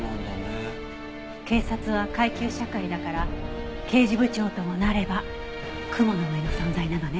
警察は階級社会だから刑事部長ともなれば雲の上の存在なのね。